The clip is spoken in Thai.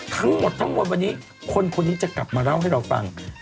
ทั้งหมดวันนี้คนนี้จะกลับมาเล่าให้เราฟัง